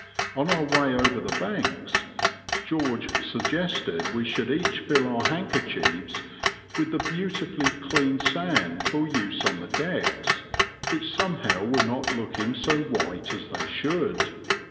On our way over the banks George suggested we should each fill our handkerchiefs with the beautifully clean sand for use on the decks, which somehow were not looking so white as they should.